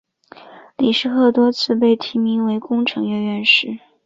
李世鹤多次被提名为工程院院士。